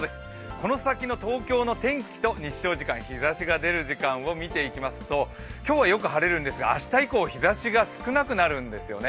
この先の東京の天気と日ざしが出る時間を見ていきますと今日はよく晴れるんですが明日以降日ざしが少なくなるんですよね。